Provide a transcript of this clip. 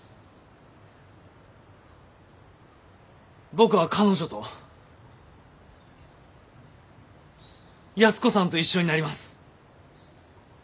僕は彼女と安子さんと一緒になります。